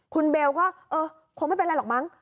คุณเบลก็เออคงไม่เป็นไรหรอกมั้ง